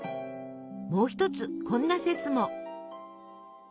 もう一つこんな説も。